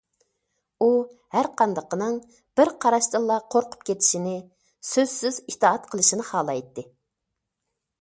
ئۇ ھەرقاندىقىنىڭ بىر قاراشتىنلا قورقۇپ كېتىشىنى، سۆزسىز ئىتائەت قىلىشىنى خالايتتى.